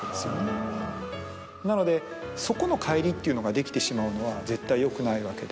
なのでそこの乖離っていうのができてしまうのは絶対よくないわけで。